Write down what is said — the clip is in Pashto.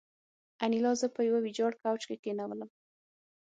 انیلا زه په یوه ویجاړ کوچ کې کېنولم